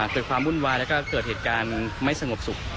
เกิดความวุ่นวายแล้วก็เกิดเหตุการณ์ไม่สงบสุข